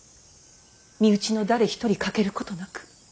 身内の誰一人欠けることなく。